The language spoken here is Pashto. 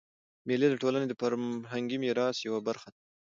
مېلې د ټولني د فرهنګي میراث یوه برخه ده.